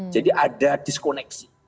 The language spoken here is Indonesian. jadi ada diskoneksi